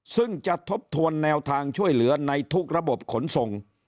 ซึ่งจะทบทวนแนวทางช่วยเหลือในทุกระบบขนส่ง